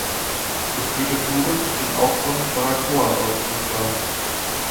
Geführte Touren sind auch von Baracoa aus buchbar.